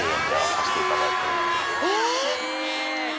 えっ！